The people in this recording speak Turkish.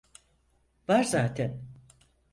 Var zaten.